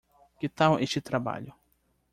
que tal este trabalho?